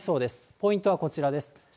ポイントはこちらです。